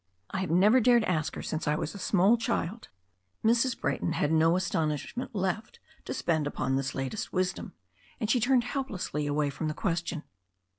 I have never dared ask her since I was a small child." Mrs. Brayton had no astonishment left to spend upon this latest wisdom, and she turned helplessly away from thrf question.